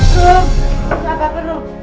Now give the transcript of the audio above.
rum apa kabar